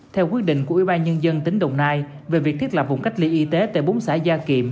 theo quyết định của ubnd tỉnh đồng nai về việc thiết lập vùng cách ly y tế tại bốn xã gia kiệm